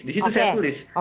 di situ saya tulis